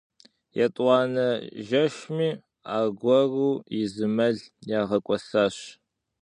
Етӏуанэ жэщми аргуэру и зы мэл ягъэкӏуэсащ.